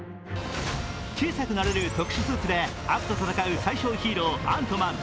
小さくなれる特殊スーツで悪と戦う最小ヒーロー・アントマン。